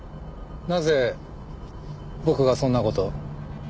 なぜ僕がそんな事を？